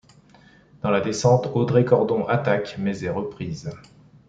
Dans la descente, Audrey Cordon attaque, mais est reprise.